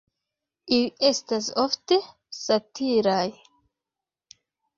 Ili estas ofte satiraj.